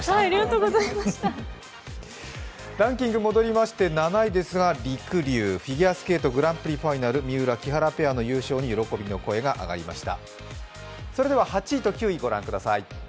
ランキング、戻りまして７位ですが、りくりゅう、フィギュアスケートグランプリファイナルで優勝に称賛の声が上がりました。